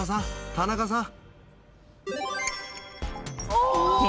田中さん！